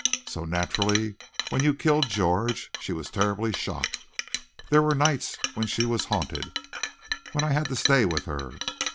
So, naturally, when you killed George she was terribly shocked. There were nights when she was haunted, when I had to stay with her.